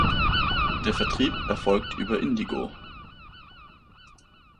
Der Vertrieb erfolgt über Indigo.